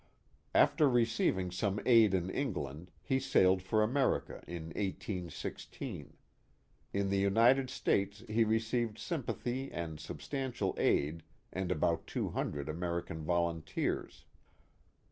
After receiving some aid in England, he sailed for America in 1816. In the United States he received sympathy and substantial aid and about two hundred Amer ican volunteers.